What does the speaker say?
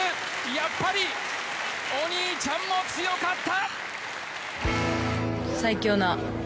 やっぱりお兄ちゃんも強かった！